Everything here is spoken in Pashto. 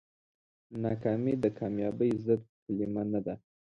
ناکامي د کامیابۍ ضد کلمه نه ده.